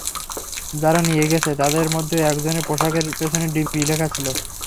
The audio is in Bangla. যারা নিয়ে গেছে, তাদের মধ্যে একজনের পোশাকের পেছনে ডিবি লেখা ছিল।